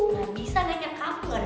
gak bisa nanya kamu gak ada harapan